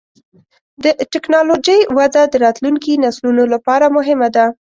د ټکنالوجۍ وده د راتلونکي نسلونو لپاره مهمه ده.